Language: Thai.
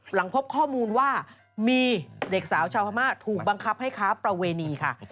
หลังพบข้อมูลว่ามีเด็กสาวชาวพม่าถูกบังคับให้ค้าประเวณีค่ะ